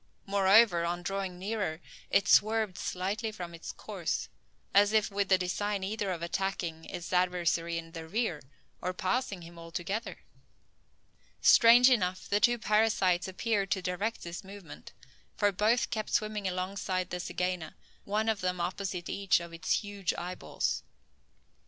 Moreover, on drawing nearer, it swerved slightly from its course, as if with the design either of attacking its adversary in the rear, or passing him altogether! Strange enough, the two parasites appeared to direct this movement: for both kept swimming alongside the zygaena, one of them opposite each of its huge eyeballs.